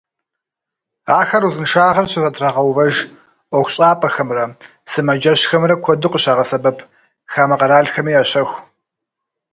Ахэр узыншагъэр щызэтрагъэувэж ӏуэхущӏапӏэхэмрэ сымаджэщхэмрэ куэду къыщагъэсэбэп, хамэ къэралхэми ящэху.